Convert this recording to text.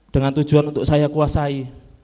dengan tujuan untuk saya kuasai